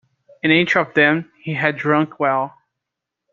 In each of them he had drunk well.